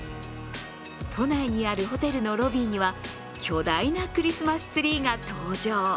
都内にあるホテルのロビーには巨大なクリスマスツリーが登場。